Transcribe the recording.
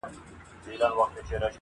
د ړندو په ښار کي وېش دی چي دا چور دی-